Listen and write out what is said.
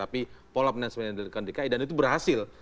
apa yang akan diikatkan